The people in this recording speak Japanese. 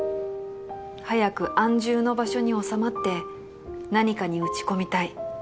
「早く安住の場所におさまって何かに打ち込みたい」